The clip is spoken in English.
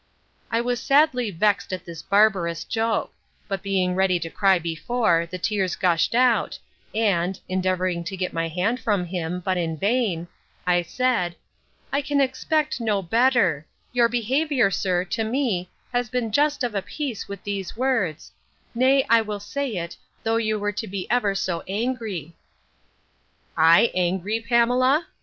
I was sadly vexed at this barbarous joke; but being ready to cry before, the tears gushed out, and (endeavouring to get my hand from him, but in vain) I said, I can expect no better: Your behaviour, sir, to me, has been just of a piece with these words: Nay, I will say it, though you were to be ever so angry.—I angry, Pamela?